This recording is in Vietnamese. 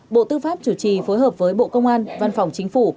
bộ tư pháp chủ trì phối hợp với bộ công an văn phòng chính phủ